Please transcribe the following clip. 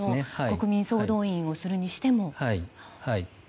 国民総動員をするにしても。